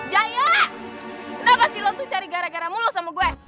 jaya kenapa sih lontu cari gara gara mulu sama gue